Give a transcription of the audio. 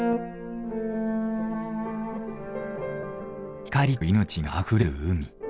光と命があふれる海。